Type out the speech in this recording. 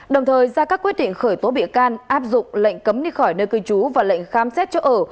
đồng thời ra các quyết định khởi tố bị can áp dụng lệnh cấm đi khỏi nơi cư trú và lệnh khám xét chỗ ở